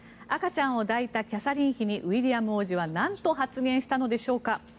赤ちゃんを抱いたキャサリン妃にウィリアム王子はなんと発言したのでしょうか。